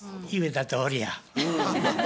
言うたとおりや。